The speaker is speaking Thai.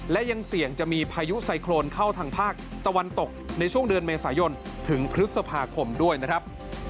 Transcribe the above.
และยังเสี่ยงจะมีพายุไซโครนเข้าทางภาคตะวันตกในช่วงเดือนเมษายนถึงพฤษภาคมด้วยนะครับ